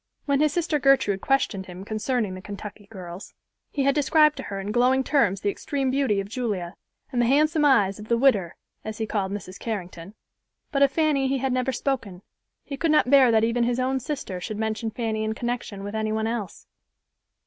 When his sister Gertrude questioned him concerning the Kentucky girls, he had described to her in glowing terms the extreme beauty of Julia, and the handsome eyes of "the widder," as he called Mrs. Carrington, but of Fanny he had never spoken. He could not bear that even his own sister should mention Fanny in connection with any one else.